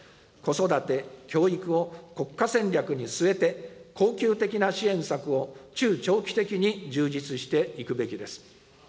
子育て・教育を国家戦略に据えて、恒久的な支援策を中長期的に充実していくべきです。